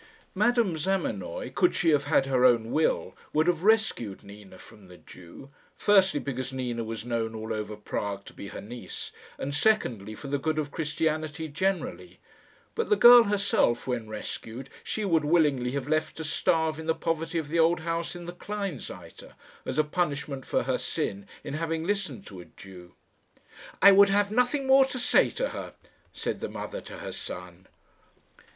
Madame Zamenoy, could she have had her own will, would have rescued Nina from the Jew firstly, because Nina was known all over Prague to be her niece and, secondly, for the good of Christianity generally; but the girl herself, when rescued, she would willingly have left to starve in the poverty of the old house in the Kleinseite, as a punishment for her sin in having listened to a Jew. "I would have nothing more to say to her," said the mother to her son.